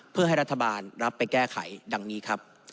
เพื่อให้รัฐบาลรับไปแก้ไขดังนี้ครับ